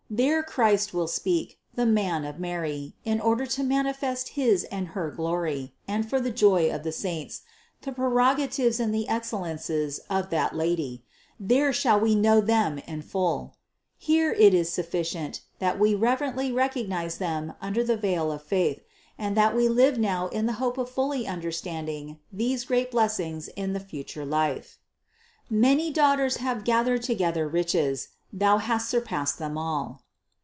There Christ will speak, the Man of Mary, in order to manifest his and her glory, and for the joy of the saints, the prerogatives and the excellences of that Lady; there shall we know them in full. Here it is sufficient, that we reverently recognize them under the veil of faith, and that we live now in the hope of fully understanding these great blessings in the future life. 608 CITY OF GOD 800. "Many daughters have gathered together riches: thou hast surpassed them all."